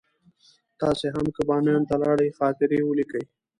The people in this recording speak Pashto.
تاسې هم که بامیان ته لاړئ خاطرې ولیکئ.